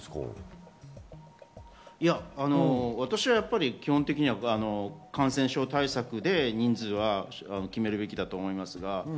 私は基本的には感染症対策で人数は決めるべきだと思います。